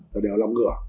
và đều là ngựa